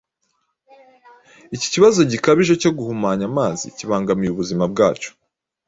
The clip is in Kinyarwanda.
Iki kibazo gikabije cyo guhumanya amazi kibangamiye ubuzima bwacu.